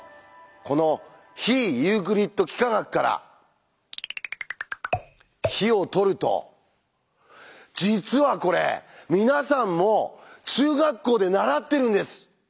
この「非ユークリッド幾何学」から「非」をとると実はこれ皆さんも中学校で習ってるんです！